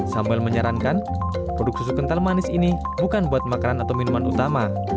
sambal menyarankan produk susu kental manis ini bukan buat makanan atau minuman utama